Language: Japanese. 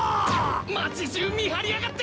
町じゅう見張りやがって！